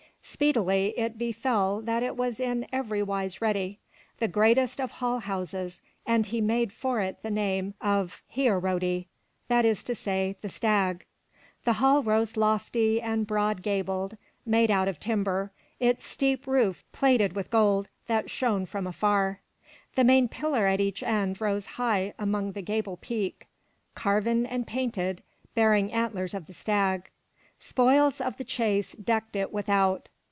Speedily it befell that it was in every wise ready, the greatest of hall houses, and he made for it the name of He'o roty that is to say The Stag, The hall rose lofty and broad gabled, made out of timber, its steep roof plated with gold that shone from far. The main pillar at each end rose high above the gable peak, carven and painted, bearing antlers of the stag. Spoils of the chase decked it without.